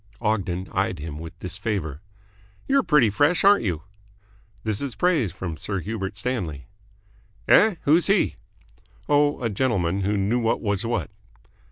Ogden eyed him with disfavour. "You're pretty fresh, aren't you?" "This is praise from Sir Hubert Stanley." "Eh? Who's he?" "Oh, a gentleman who knew what was what."